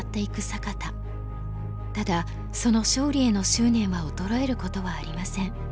ただその勝利への執念は衰えることはありません。